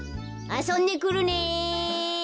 ・あそんでくるね！